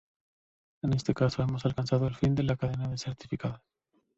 En este caso, hemos alcanzado el fin de la cadena de certificados.